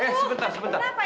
eh eh eh sebentar sebentar